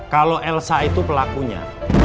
kalau elsa itu pelakunya